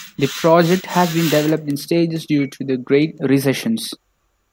The project has been developed in stages due to the Great Recession.